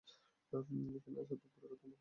এখানে আসার পর পুরোটা তোমার হবে।